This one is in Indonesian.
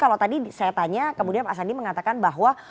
kalau tadi saya tanya kemudian mas andi mengatakan bahwa